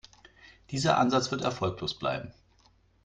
Dieser Ansatz wird erfolglos bleiben.